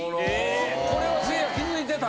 これはせいや気づいてた？